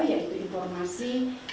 yaitu informasi masyarakat